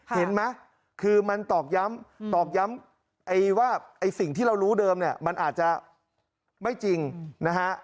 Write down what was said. เห็นไหมคือมันตอกย้ำตอกย้ำว่าไอ้สิ่งที่เรารู้เดิมเนี่ยมันอาจจะไม่จริงนะฮะ